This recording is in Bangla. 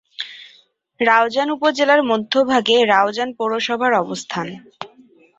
রাউজান উপজেলার মধ্যভাগে রাউজান পৌরসভার অবস্থান।